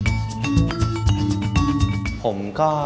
อาหารที่มีประโยชน์สำหรับนักกีฬา